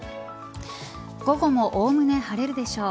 午後もおおむね晴れるでしょう。